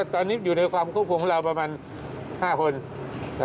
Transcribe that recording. ตอนนี้อยู่ในความควบคุมของเราประมาณ๕คน